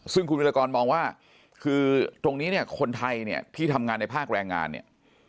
ซึ่งคุณวิรากรมองว่าคือตรงนี้เนี่ยคนไทยเนี่ยที่ทำงานในภาคแรงงานเนี่ย